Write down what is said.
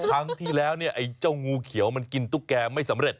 ครั้งที่แล้วเนี่ยไอ้เจ้างูเขียวมันกินตุ๊กแกไม่สำเร็จ